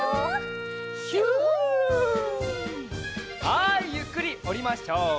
はいゆっくりおりましょう。